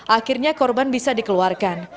akhirnya korban bisa dikeluarkan